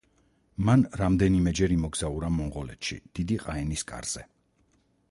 მან რამდენიმეჯერ იმოგზაურა მონღოლეთში დიდი ყაენის კარზე.